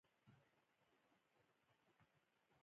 ځینو کلیوالو خوله کږه کړه.